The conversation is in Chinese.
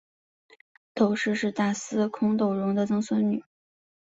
窦氏是大司空窦融的曾孙女。